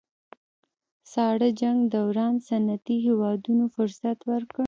ساړه جنګ دوران صنعتي هېوادونو فرصت ورکړ